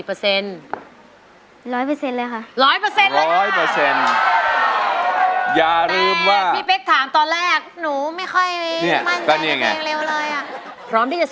ดาวส่วนเนื้อแล้วใช่ไหมค่ะ